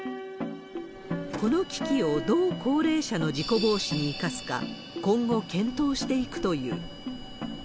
この機器をどう高齢者の事故防止に生かすか、今後、検討していくという。